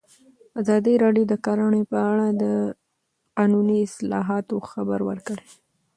ازادي راډیو د کرهنه په اړه د قانوني اصلاحاتو خبر ورکړی.